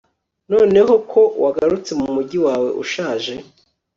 noneho ko wagarutse mu mujyi wawe ushaje